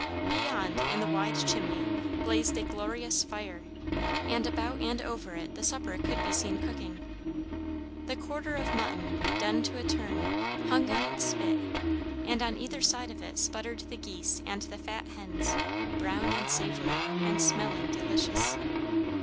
Beyond, in the wide chimney, blazed a glorious fire, and about and over it the supper could be seen cooking. The quarter of mutton, done to a turn, hung on its spit, and on either side of it sputtered the geese and the fat hens, brown and savory, and smelling delicious.